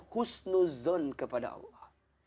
husnuzon kepada allah